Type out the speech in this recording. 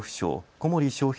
小森章平